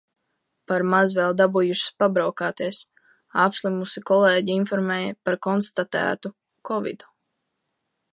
Par maz vēl dabūjušas pabraukāties. Apslimusi kolēģe informēja par konstatētu kovidu.